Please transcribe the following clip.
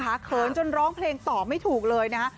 คือเกินจนร้องเพลงต่อไม่ถูกเลยนะ